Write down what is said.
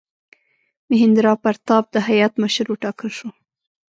میهندراپراتاپ د هیات مشر وټاکل شو.